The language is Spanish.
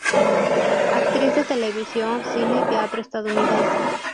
Actriz de televisión, cine y teatro estadounidense.